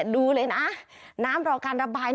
ดูเลยนะน้ำรอการระบาย